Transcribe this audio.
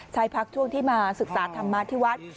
ใช้พักช่วงที่มาศึกษาธรรมะที่วัด